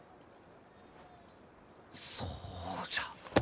そうじゃ。